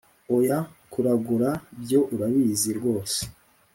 oya kuragura byo urabizi rwose!